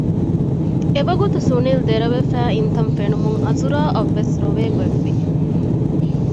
އެވަގުތު ސުނިލް ދެރަވެފައި އިންތަން ފެނުމުން އަޒުރާއަށްވެސް ރޮވޭގޮތްވި